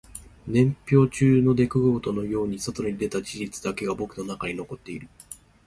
年表の中の出来事のように外に出た事実だけが僕の中に残っている